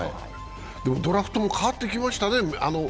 ドラフトも変わってきましたね。